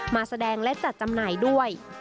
มาแสดงและจัดจำหน่ายด้วย